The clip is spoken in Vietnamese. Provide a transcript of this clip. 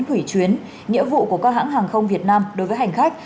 hủy chuyến nghĩa vụ của các hãng hàng không việt nam đối với hành khách